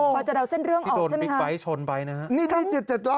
พอจะเดาเส้นเรื่องออกใช่ไหมคะพี่โดนบิชไบลต์ชนไปนะครับ